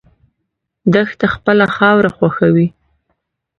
دښته خپله خاوره خوښوي.